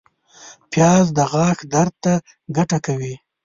پیاز د غاښ درد ته ګټه کوي